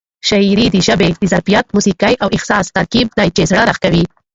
شاعري د ژبې د ظرافت، موسيقۍ او احساس ترکیب دی چې زړه راښکوي.